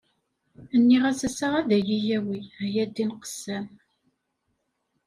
Nniɣ-as ass-a ad iyi-yawi, ah ya ddin qessam!